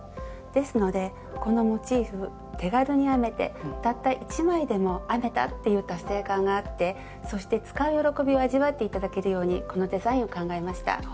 ですのでこのモチーフ手軽に編めてたった１枚でも編めたっていう達成感があってそして使う喜びを味わって頂けるようにこのデザインを考えました。